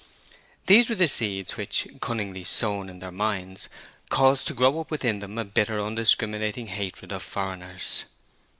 These were the seeds which, cunningly sown in their minds, caused to grow up within them a bitter undiscriminating hatred of foreigners.